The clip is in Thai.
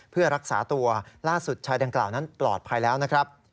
เพื่อรักษาตัวล่าสุดชายดังกล่าวนั้นปลอดภัยแล้วนะครับ